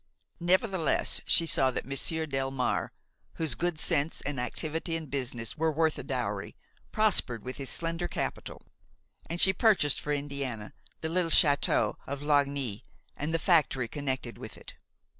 Nevertheless she saw that Monsieur Delmare, whose good sense and activity in business were worth a dowry, prospered with his slender capital; and she purchased for Indiana the little château of Lagny and the factory connected with it.